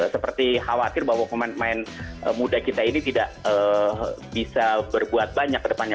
seperti khawatir bahwa pemain pemain muda kita ini tidak bisa berbuat banyak ke depannya